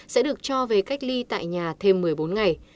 sẽ được cho về cách ly tại nhà thêm một mươi bốn ngày